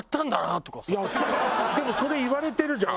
でもそれ言われてるじゃん。